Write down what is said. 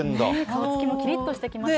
顔つきもきりっとしてきましたね。